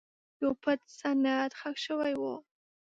یو پټ سند ښخ شوی و.